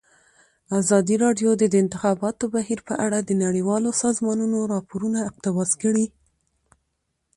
ازادي راډیو د د انتخاباتو بهیر په اړه د نړیوالو سازمانونو راپورونه اقتباس کړي.